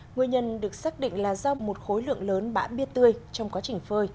nguyên nhân được xác định là do một khối lượng lớn bã bia tươi trong quá trình phơi